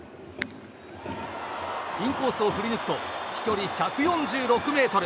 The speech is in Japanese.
インコースを振り抜くと飛距離１４６ｍ。